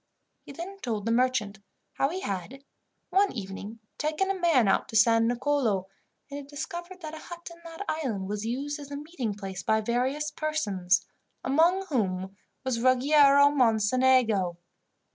He then told the merchant how he had, one evening, taken a man out to San Nicolo, and had discovered that a hut in that island was used as a meeting place by various persons, among whom was Ruggiero Mocenigo.